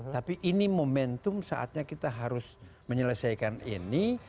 tapi ini momentum saatnya kita harus menyelesaikan ini